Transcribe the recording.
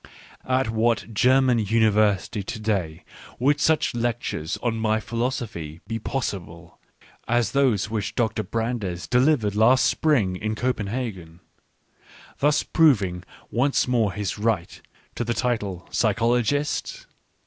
At what German University to day would such lectures on my philo sophy be possible, as those which Dr. Brandes de livered last spring in Copenhagen, thus proving once more his right to the title psychologist